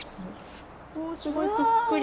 おすごいぷっくり。